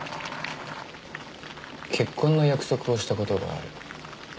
結婚の約束をした事がある。